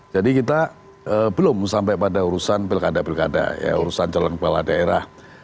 jadi kita belum sampai pada urusan pilkada pilkada urusan calon kepala daerah